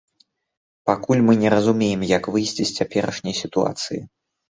Пакуль мы не разумеем, як выйсці з цяперашняй сітуацыі.